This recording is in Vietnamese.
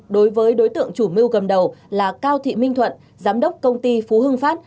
đối với đối tượng chủ mưu cầm đầu là cao thị minh thuận giám đốc công ty phú hưng phát